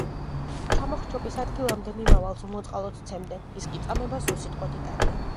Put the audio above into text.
ჩამოხრჩობის ადგილამდე მიმავალს უმოწყალოდ სცემდნენ, ის კი წამებას უსიტყვოდ იტანდა.